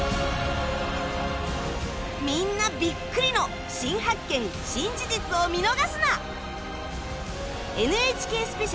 みんなビックリの新発見・新事実を見逃すな！